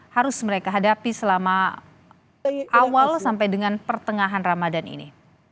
harus mereka hadapi selama awal sampai dengan pertengahan ramadan ini